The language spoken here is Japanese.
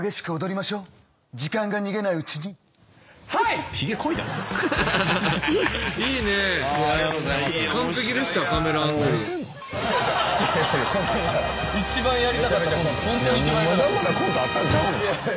まだまだあったんちゃう？